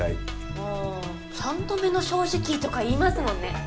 ああ「三度目の正直」とか言いますもんね。